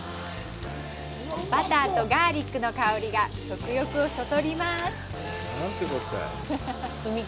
バターとガーリックの香りが食欲をそそります。